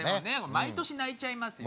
毎年泣いちゃいますよね。